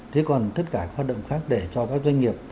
thế còn tất cả các hoạt động khác để cho các doanh nghiệp